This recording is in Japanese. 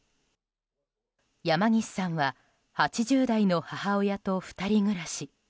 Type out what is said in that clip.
山岸さんは８０代の母親と２人暮らし。